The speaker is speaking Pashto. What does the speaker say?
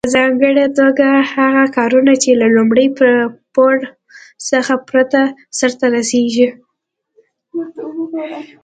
په ځانګړي توګه هغه کارونه چې له لومړي پوړ څخه پورته سرته رسیږي.